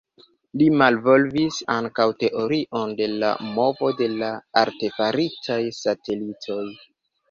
Li malvolvis ankaŭ teorion de la movo de la artefaritaj satelitoj.